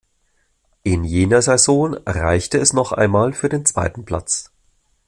In jener Saison reichte es noch einmal für den zweiten Platz.